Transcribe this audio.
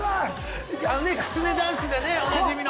きつねダンスでねおなじみの。